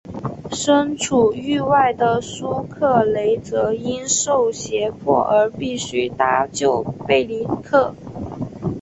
身处狱外的苏克雷则因受胁迫而必须搭救贝里克。